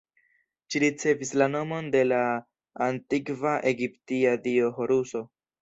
Ĝi ricevis la nomon de la antikva egiptia dio Horuso.